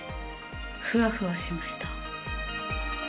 ふわふわしました。